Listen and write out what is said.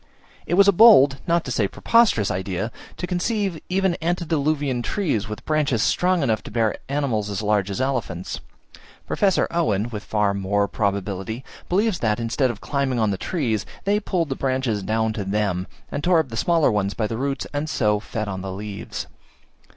It was a bold, not to say preposterous, idea to conceive even antediluvian trees, with branches strong enough to bear animals as large as elephants. Professor Owen, with far more probability, believes that, instead of climbing on the trees, they pulled the branches down to them, and tore up the smaller ones by the roots, and so fed on the leaves.